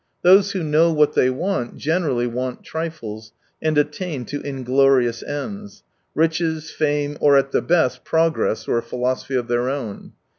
Those who know what they want generally want trifles, and attain to inglorious ends : riches, fame, or at the best, progress or a philosophy of their own.